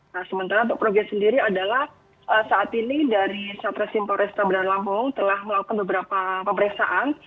nah sementara untuk progres sendiri adalah saat ini dari satres simporesta bandar lampung telah melakukan beberapa pemeriksaan